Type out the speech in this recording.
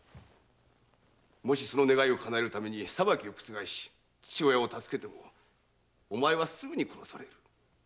もしその願いを叶えるために裁きを覆し父親を助けてもお前はすぐに殺される。